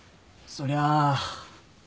そりゃあ